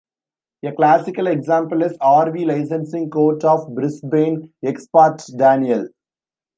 A classical example is "R v Licensing Court of Brisbane; Ex parte Daniell".